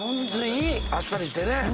あっさりしてね。